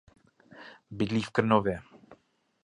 Bydlí v Krnově.